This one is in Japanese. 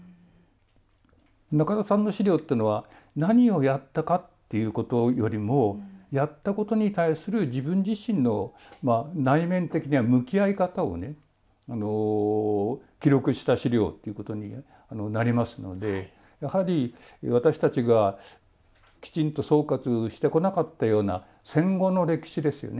中田さんの史料ってのは何をやったかっていうことよりもやったことに対する自分自身の内面的な向き合い方を記録した史料ということになりますのでやはり、私たちがきちんと総括してこなかったような戦後の歴史ですよね。